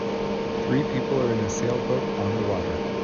Three people are in a sailboat on the water.